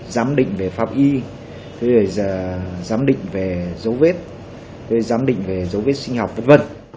giám định về pháp y rồi giám định về dấu vết giám định về dấu vết sinh học v v